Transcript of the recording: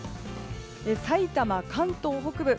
さいたま、関東北部